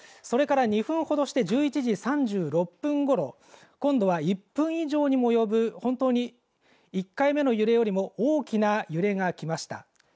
それから２分ほどして１１時３６分ごろ今度は１分以上にも及ぶ本当に１回目の揺れよりも大きな揺れが来ました。